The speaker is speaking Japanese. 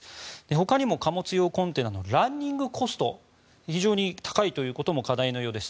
ほかにも貨物用コンテナのランニングコスト非常に高いということも課題のようです。